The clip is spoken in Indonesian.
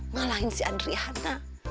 ngalahin si adriana